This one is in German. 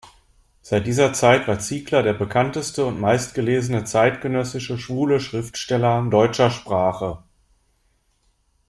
Seit dieser Zeit war Ziegler der bekannteste und meistgelesene zeitgenössische schwule Schriftsteller deutscher Sprache.